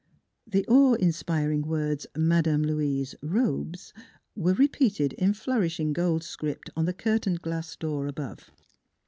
The awe inspiring words " Madame Louise : Robes " were repeated in flourishing gold script NEIGHBORS 27 on the curtained glass door .above.